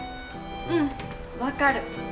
うん分かる。